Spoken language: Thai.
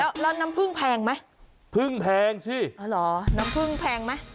แล้วแล้วน้ำผึ้งแพงไหมพึ่งแพงสิอ๋อเหรอน้ำผึ้งแพงไหม